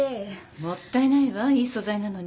もったいないわいい素材なのに。